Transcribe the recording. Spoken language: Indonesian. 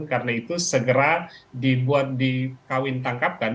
karena itu segera dibuat dikawin tangkapkan